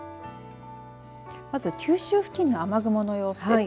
まず九州付近の雨雲の様子です。